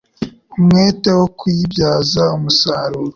umwete wo kuyibyaza umusaruro